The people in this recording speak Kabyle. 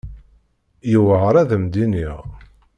Yewɛeṛ ad am-d-iniɣ.